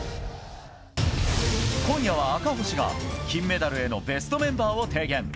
今夜は赤星が、金メダルへのベストメンバーを提言。